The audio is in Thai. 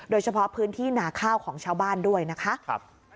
โดยเฉพาะพื้นที่หนาข้าวของชาวบ้านด้วยนะคะ